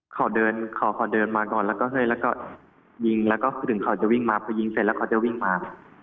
เขาเดินเขาเดินมาก่อนแล้วก็เฮ้ยแล้วก็ยิงแล้วก็ถึงเขาจะวิ่งมาพอยิงเสร็จแล้วเขาจะวิ่งมา